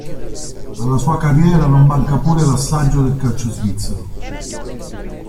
Alla sua carriera non manca pure l'assaggio del calcio svizzero.